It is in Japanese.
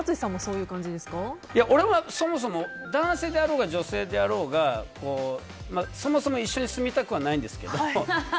いや俺はそもそも男性であろうが女性であろうがそもそも一緒に住みたくはないんですけど。